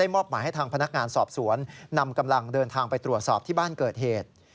มอบหมายให้ทางพนักงานสอบสวนนำกำลังเดินทางไปตรวจสอบที่บ้านเกิดเหตุ